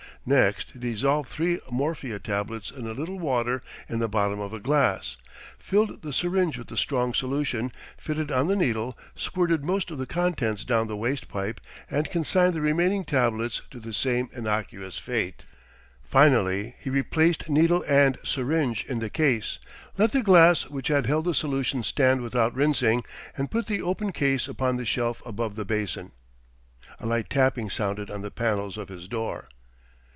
Next he dissolved three morphia tablets in a little water in the bottom of a glass, filled the syringe with the strong solution, fitted on the needle, squirted most of the contents down the waste pipe, and consigned the remaining tablets to the same innocuous fate. Finally he replaced needle and syringe in the case, let the glass which had held the solution stand without rinsing, and put the open case upon the shelf above the basin. A light tapping sounded on the panels of his door.